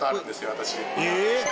私。